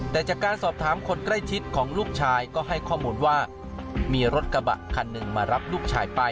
แต่จากการสอบถามคนใกล้ชิดของลูกชายก็ให้ข้อมูลว่ามีรถกระบะคันหนึ่งมารับลูกชายไป